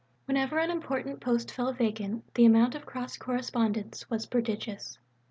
Whenever an important post fell vacant, the amount of cross correspondence was prodigious.